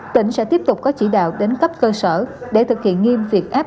tỉnh sẽ tiếp tục có chỉ đạo đến cấp cơ sở để thực hiện nghiêm việc áp